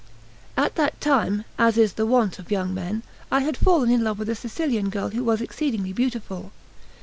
At that time, as is the wont of young men, I had fallen in love with a Sicilian girl, who was exceedingly beautiful.